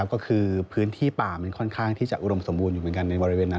ก็คือพื้นที่ป่ามันค่อนข้างที่จะอุดมสมบูรณ์อยู่เหมือนกันในบริเวณนั้น